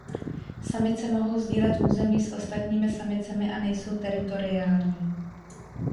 Samice mohou sdílet území s ostatními samicemi a nejsou teritoriální.